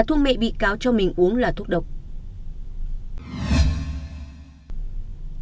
thu mẹ bị cáo cho mình uống là thuốc độc